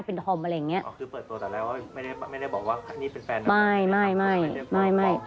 เพื่อที่จะได้หายป่วยทันวันที่เขาชีจันทร์จังหวัดชนบุรี